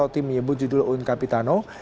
tersebut judul un capitano